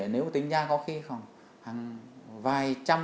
nếu tính ra có khi hàng vài trăm